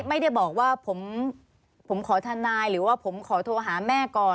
ไม่ได้บอกว่าผมขอทนายหรือว่าผมขอโทรหาแม่ก่อน